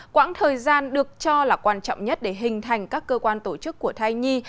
quãng thời gian được cho là quan trọng nhất để hình thành các cơ quan tổ chức của thai nhi